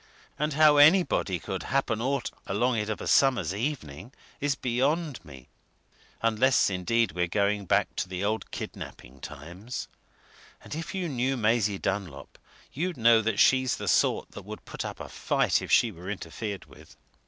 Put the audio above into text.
And how anybody could happen aught along it of a summer's evening is beyond me! unless indeed we're going back to the old kidnapping times. And if you knew Maisie Dunlop, you'd know that she's the sort that would put up a fight if she was interfered with!